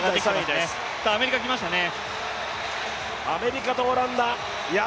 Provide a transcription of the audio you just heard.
アメリカきましたね。